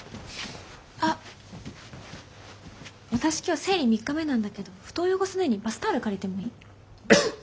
あっ私今日生理３日目なんだけど布団汚さないようにバスタオル借りてもいい？